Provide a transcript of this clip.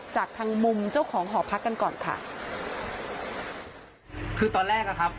จากทางมุมเจ้าของหอพักกันก่อนค่ะคือตอนแรกอ่ะครับ